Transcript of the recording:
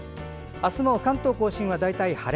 あすも関東・甲信は大体晴れ。